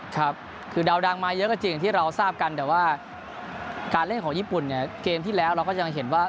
ครับคือดาวดังมาเยอะก็จริงอย่างที่เราทราบกันแต่ว่าการเล่นของญี่ปุ่นเนี่ยเกมที่แล้วเราก็ยังเห็นว่า